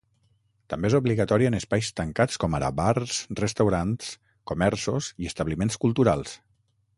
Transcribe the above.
També és obligatòria en espais tancats com ara bars, restaurants, comerços i establiments culturals.